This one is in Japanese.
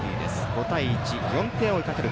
５対１、４点を追いかける